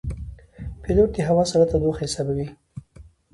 پیلوټ د هوا سړه تودوخه حسابوي.